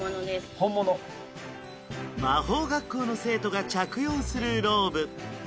本物魔法学校の生徒が着用するローブ